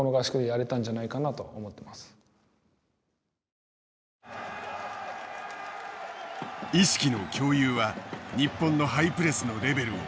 意識の共有は日本のハイプレスのレベルを引き上げた。